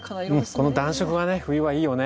この暖色がね冬はいいよね。